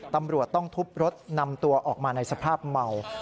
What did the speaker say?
ตำรวจต้องทุบรถนำตัวออกมาในสภาพเมา